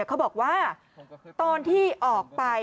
เขาบอกว่าตอนที่ออกไป